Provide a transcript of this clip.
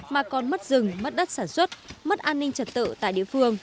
mà còn mất rừng mất đất sản xuất mất an ninh trật tự tại địa phương